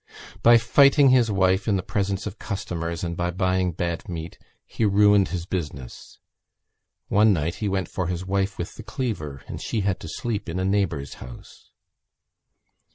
By fighting his wife in the presence of customers and by buying bad meat he ruined his business. One night he went for his wife with the cleaver and she had to sleep in a neighbour's house.